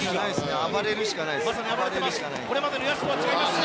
暴れるしかないですね。